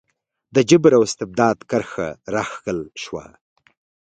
د جبر او استبداد کرښه راښکل شوه.